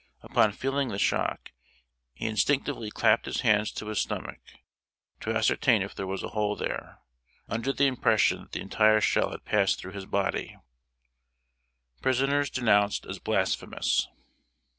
Upon feeling the shock, he instinctively clapped his hands to his stomach, to ascertain if there was a hole there, under the impression that the entire shell had passed through his body! [Sidenote: PRISONERS DENOUNCED AS BLASPHEMOUS.